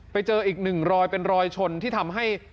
ไปเจออีกหนึ่งรอยเป็นรอยชนที่ทำให้